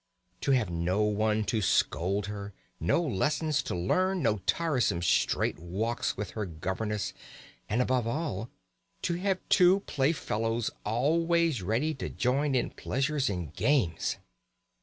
To have no one to scold her, no lessons to learn, no tiresome straight walks with her governess, and above all, to have two playfellows always ready to join in pleasures and games!